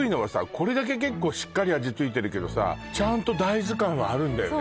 これだけ結構しっかり味ついてるけどさちゃんと大豆感はあるんだよね